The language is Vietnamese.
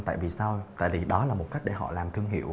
tại vì sao tại vì đó là một cách để họ làm thương hiệu